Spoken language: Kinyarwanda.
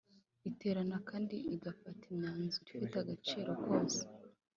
Iterana kandi igafata imyanzuro ifite agaciro kose